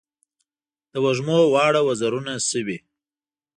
د وږمو واړه وزرونه سوی